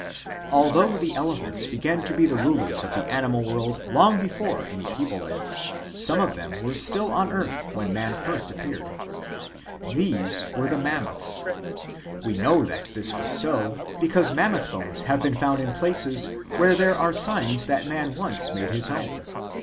Although the elephants began to be the rulers of the animal world long before any people lived, some of them were still on earth when man first ap peared . These were the Mammoths. We know that this was so because Mammoth bones have been found in places where there are signs that man once made his home.